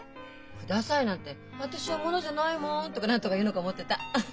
「下さい」なんて「私は物じゃないもん」とか何とか言うのかと思ってた。